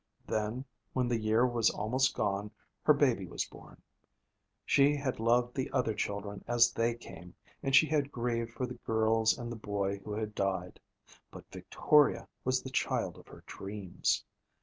Then, when the year was almost gone, her baby was born. She had loved the other children as they came, and she had grieved for the girls and the boy who had died; but Victoria was the child of her dreams.